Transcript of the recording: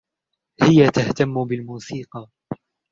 هي تهتم بالموسيقى.